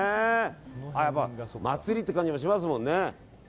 祭りって感じもしますもんね。